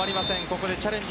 ここでチャレンジ